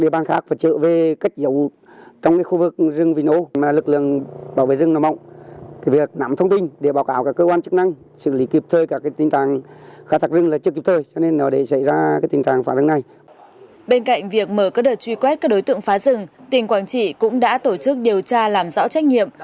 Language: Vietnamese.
bên cạnh việc mở các đợt truy quét các đối tượng phá rừng tỉnh quảng trị cũng đã tổ chức điều tra làm rõ trách nhiệm